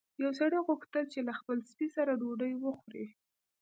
یو سړي غوښتل چې له خپل سپي سره ډوډۍ وخوري.